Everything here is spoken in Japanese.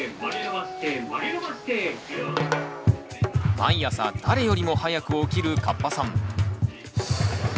毎朝誰よりも早く起きるカッパさん。